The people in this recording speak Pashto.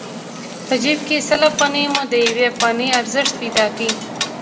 په جېب کې سل افغانۍ مو د يوې افغانۍ ارزښت پيدا کړ.